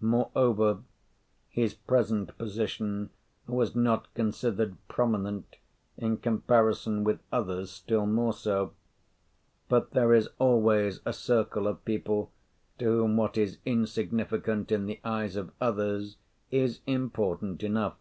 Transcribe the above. Moreover, his present position was not considered prominent in comparison with others still more so. But there is always a circle of people to whom what is insignificant in the eyes of others, is important enough.